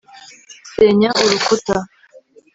senya urukuta